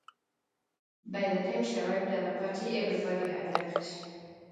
By the time she arrived at the party, everybody had left.